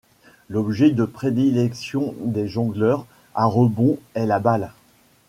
L’objet de prédilection des jongleurs à rebond est la balle.